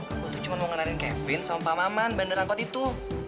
aku tuh cuma mau nganarin kevin sama pak maman bandar angkot itu